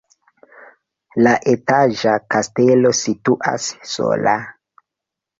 La etaĝa kastelo situas sola.